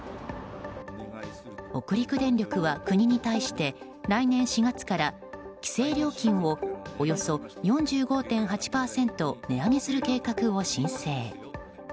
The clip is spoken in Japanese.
北陸電力は国に対して来年４月から規制料金をおよそ４５．８％値上げする計画を申請。